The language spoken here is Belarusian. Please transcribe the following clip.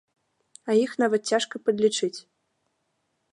А іх нават цяжка падлічыць.